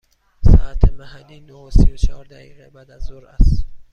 ساعت محلی نه و سی و چهار دقیقه بعد از ظهر است.